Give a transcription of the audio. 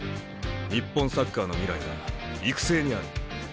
日本サッカーの未来は育成にある。